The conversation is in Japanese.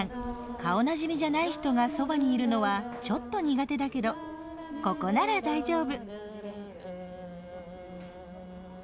顔なじみじゃない人がそばにいるのはちょっと苦手だけどここなら大丈夫！